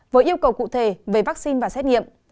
với yêu cầu cụ thể về vaccine và xét nghiệm